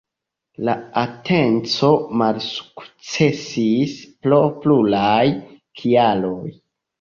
La atenco malsukcesis pro pluraj kialoj.